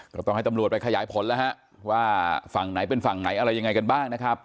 ก็ต้องให้ตำรวจไปขยายผลแล้วฮะว่าฝั่งไหนเป็นฝั่งไหนอะไรยังไงกันบ้างนะครับ